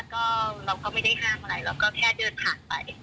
ก็เราก็ไม่ได้ห้ามอะไรเราก็แค่เดินผ่านไป